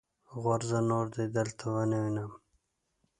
غورځه! نور دې دلته و نه وينم.